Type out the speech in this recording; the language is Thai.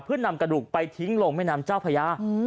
เพื่อนำกระดูกไปทิ้งลงแม่น้ำเจ้าพญา